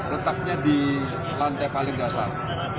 letaknya di lantai paling dasar